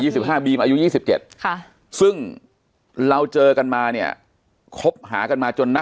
สิบห้าบีมอายุยี่สิบเจ็ดค่ะซึ่งเราเจอกันมาเนี่ยคบหากันมาจนนะ